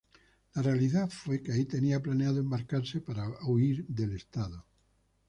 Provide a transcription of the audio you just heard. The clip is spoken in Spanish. La realidad fue que ahí tenía planeado embarcarse para huir del estado.